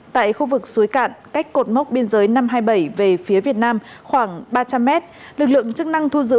tại khu vực suối cạn cách cột mốc biên giới năm trăm hai mươi bảy về phía việt nam khoảng ba trăm linh mét lực lượng chức năng thu giữ